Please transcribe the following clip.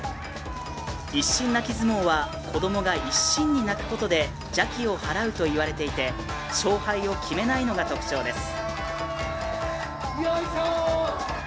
一心泣き相撲は子供が一心に泣くことで邪気を払うと言われていて勝敗を決めないのが特徴です。